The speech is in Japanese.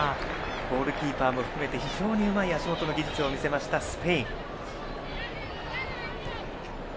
ゴールキーパーも含めて非常にうまい足元の技術を見せたスペイン。